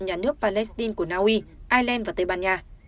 nhà nước palestine của naui ireland và tây ban nha